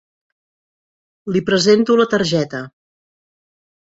Li presento la targeta.